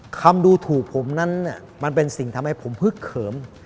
คำดูถูกผมนั้นมันเป็นสิ่งทำให้ผมพึกเขิม